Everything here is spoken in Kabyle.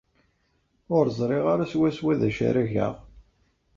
Ur ẓriɣ ara swaswa d acu ara geɣ.